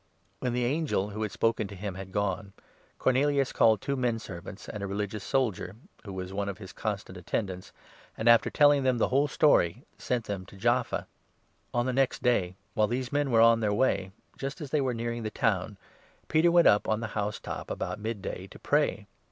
When the angel, who had spoken to him, had gone, Cornelius 7 called two menservants and a religious soldier, who was one of his constant attendants, and, after telling them the whole 8 story, sent them to Jaffa. On the next day, while these men were on their way, just 9 as they were nearing the town, Peter went up on the house top about mid day to pray.